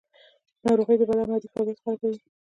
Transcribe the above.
ناروغي د بدن عادي فعالیت خرابوي.